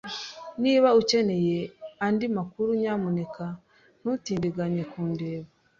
Niba ukeneye andi makuru, nyamuneka ntutindiganye kundeba.